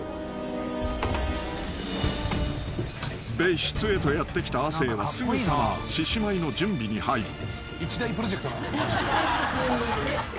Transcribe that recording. ［別室へとやって来た亜生はすぐさま獅子舞の準備に入る］